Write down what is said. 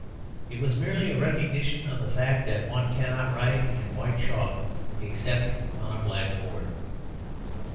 It was merely a recognition of the fact that one cannot write in white chalk except on a black board.